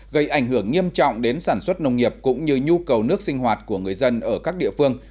gây ảnh hưởng nghiêm trọng đến sản xuất nông nghiệp cũng như nhu cầu nước sinh hoạt của người dân ở các địa phương